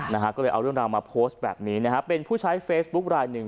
นะฮะก็เลยเอาเรื่องราวมาโพสต์แบบนี้นะฮะเป็นผู้ใช้เฟซบุ๊คลายหนึ่ง